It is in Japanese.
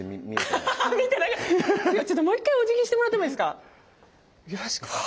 ちょっともう一回おじぎしてもらってもいいですか？